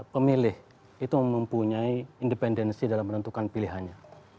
pemilih itu mempunyai independensi dalam menentukan pilihannya